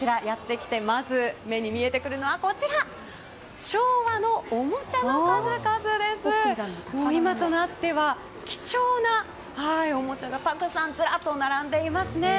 目に見えてきているのは昭和のおもちゃの数々で今となっては貴重なおもちゃがたくさんずらっと並んでいますね。